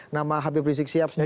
nama hp prizik siap sendiri